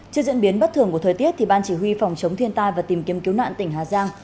trước diễn biến bất thường của thời tiết ban chỉ huy phòng chống thiên tai và tìm kiếm cứu nạn tỉnh hà giang